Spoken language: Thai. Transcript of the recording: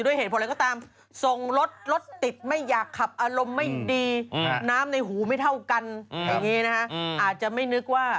อย่างนี้นะฮะอาจจะไม่นึกว่า